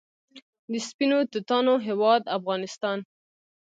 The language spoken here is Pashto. د سپینو توتانو هیواد افغانستان.